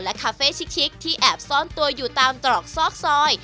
คาเฟ่ชิคิกที่แอบซ่อนตัวอยู่ตามตรอกซอกซอย